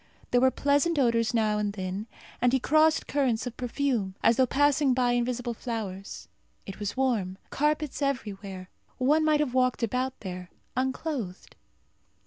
There were pleasant odours now and then, and he crossed currents of perfume, as though passing by invisible flowers. It was warm. Carpets everywhere. One might have walked about there, unclothed.